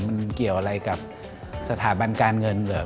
มันเกี่ยวอะไรกับสถาบันการเงินเหรอ